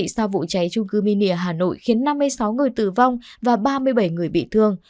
sau vụ cháy trung cư mini hà nội khiến năm mươi sáu người tử vong và ba mươi bảy người bị thương